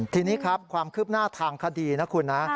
ทีนี้ครับความคืบหน้าทางคดีนะคุณนะ